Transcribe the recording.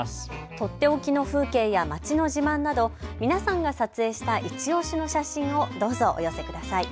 とっておきの風景や街の自慢など皆さんが撮影したいちオシの写真をどうぞお寄せください。